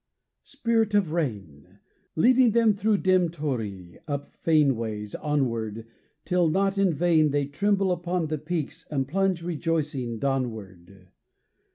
Spirit of rain! Leading them thro' dim torii, up fane ways onward Till not in vain They tremble upon the peaks and plunge rejoicing dawnward.